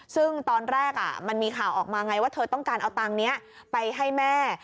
ซึ่งตอนแรกมันมีข่าวออกมาไงว่าเธอต้องการเอาตังค์นี้ไปให้แม่